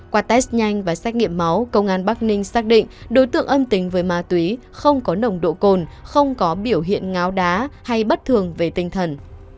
qua test nhanh và xét nghiệm máu công an bắc ninh xác định đối tượng âm tính với ma túy không có nồng độ cồn không có biểu hiện ngáo đá hay bất thường về tinh thần